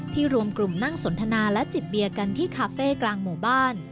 รวมกลุ่มนั่งสนทนาและจิบเบียร์กันที่คาเฟ่กลางหมู่บ้าน